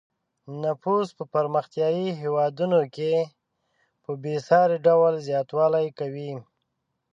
نفوس په پرمختیايي هېوادونو کې په بې ساري ډول زیاتوالی کوي.